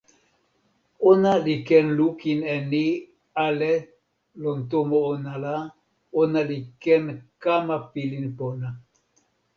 ona li ken lukin e ni ale lon tomo ona la, ona li ken kama pilin pona.